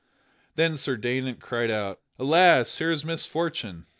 Then Sir Daynant cried out, "Alas, here is misfortune!"